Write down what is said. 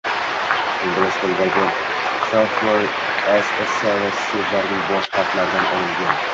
Ingliz tilidagi Software as a service so’zlarining bosh harflaridan olingan